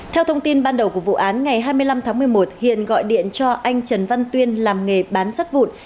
theo thông tin ban đầu của vụ án ngày hai mươi năm tháng một mươi một hiền gọi điện cho anh trần văn tuyên làm nghề bán sắt vụn